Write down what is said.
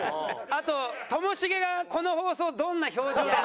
あとともしげがこの放送をどんな表情で見てるか。